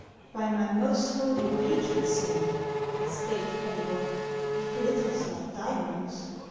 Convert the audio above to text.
" By my most holy patron saint !" exclaimed Keunybol ;" it glitters like diamonds